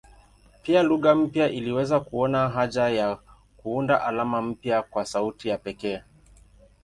Pia lugha mpya iliweza kuona haja ya kuunda alama mpya kwa sauti ya pekee.